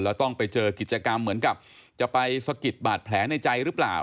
แล้วต้องไปเจอกิจกรรมเหมือนกับจะไปสะกิดบาดแผลในใจหรือเปล่า